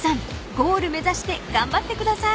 ゴール目指して頑張ってください］